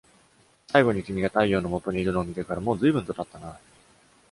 最後に君が太陽の下にいるのを見てから、もう随分と経ったな！